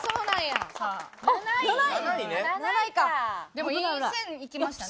でもいい線いきましたね。